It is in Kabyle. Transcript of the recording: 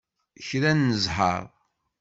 Kra n zzher!